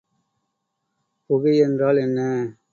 புகை என்றால் என்ன?